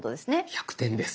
１００点です。